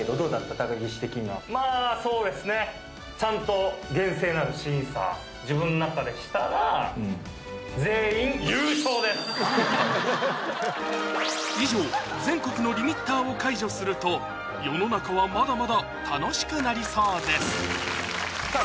高岸的にはまぁそうですねちゃんと以上全国のリミッターを解除すると世の中はまだまだ楽しくなりそうですさあ